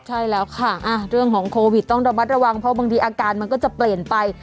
ใช่แล้วค่ะเรื่องของโควิดต้องระมัดระวังเพราะบางทีอาการมันก็จะเปลี่ยนไป